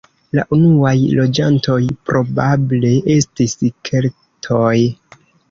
La unuaj loĝantoj probable estis keltoj.